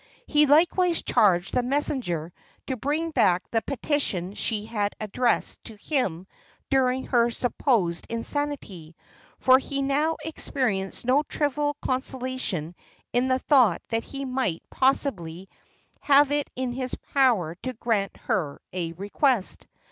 He likewise charged the messenger to bring back the petition she had addressed to him during her supposed insanity; for he now experienced no trivial consolation in the thought that he might possibly have it in his power to grant her a request.